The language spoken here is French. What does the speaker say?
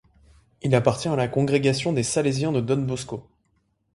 Il appartient à la congrégation des salésiens de Don Bosco.